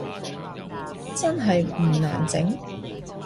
真係唔難整？